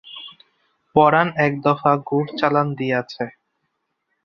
পরাণ একদফা গুড় চালান দিয়াছে।